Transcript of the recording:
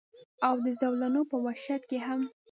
او د زولنو پۀ وحشت کښې هم